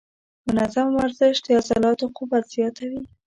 منظم ورزش د عضلاتو قوت زیاتوي.